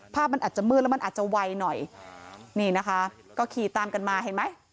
ภาพมันอาจจะมืดแล้วมันอาจจะไวหน่อยนี่นะคะก็ขี่ตามกันมาเห็นไหม